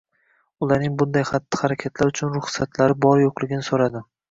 ularning bunday xatti-harakatlar uchun ruxsatlari bor-yo‘qligini so‘radim.